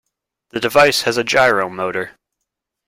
The device has a gyro motor.